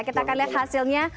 kita akan lihat hasilnya